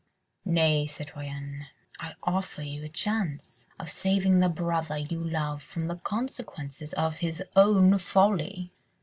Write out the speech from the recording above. "Nay, citoyenne, I offer you a chance of saving the brother you love from the consequences of his own folly."